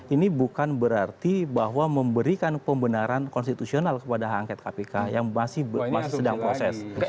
ini bukan berarti bahwa memberikan pembenaran konstitusional kepada angket kpk yang masih sedang proses